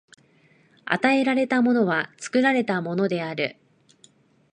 与えられたものは作られたものである。